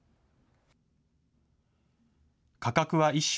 価格は１首